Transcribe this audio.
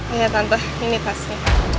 iya tante ini pasti